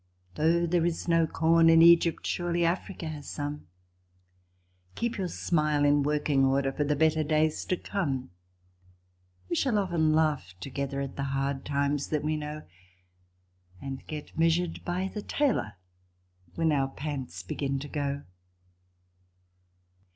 Though there is no corn in Egypt, surely Africa has some Keep your smile in working order for the better days to come ! We shall often laugh together at the hard times that we know, And get measured by the tailor when our pants begin to go.